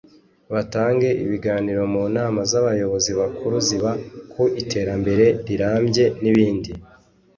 batange ibiganiro mu nama z’abayobozi bakuru ziga ku iterambere rirambye n’ibindi